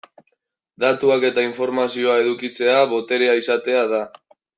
Datuak eta informazioa edukitzea, boterea izatea da.